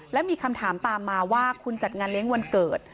และมีคำถามตามมาว่าคุณจัดงานเลี้ยงวันเกิด